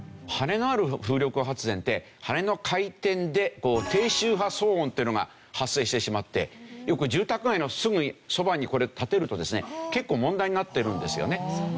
羽根のある風力発電って羽根の回転でこう低周波騒音っていうのが発生してしまってよく住宅街のすぐそばにこれを立てるとですね結構問題になってるんですよね。